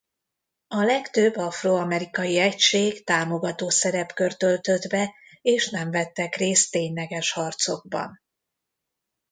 A legtöbb afroamerikai egység támogató szerepkört töltött be és nem vettek részt tényleges harcokban.